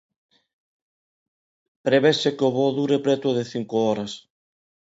Prevese que o voo dure preto de cinco horas.